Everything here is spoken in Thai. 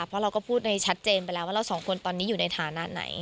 เพราะเราก็พูดในชัดเจนไปแล้วว่าเราสองคนตอนนี้อยู่ในฐานะไหน